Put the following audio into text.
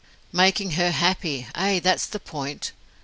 Making her happy! Ay, that's the point.